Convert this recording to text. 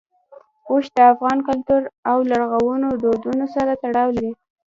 اوښ د افغان کلتور او لرغونو دودونو سره تړاو لري.